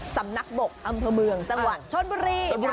สำนักบกอำเภอเมืองจังหวัดชนบุรี